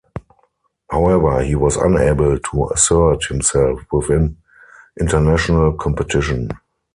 However, he was unable to assert himself within international competition.